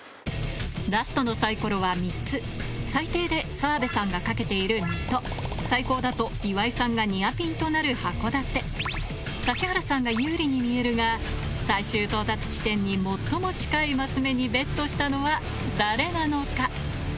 ラストのサイコロは３つ最低で澤部さんが賭けている水戸最高だと岩井さんがニアピンとなる函館指原さんが有利に見えるが最終到達地点に最も近いマス目にＢＥＴしたのは誰なのか？